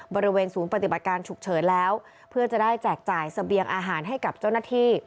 บริเวณศูนย์ปฏิบัติการฉุกเฉินแล้วเพื่อจะได้แจกจ่ายเสบียงอาหารให้กับเจ้าหน้าที่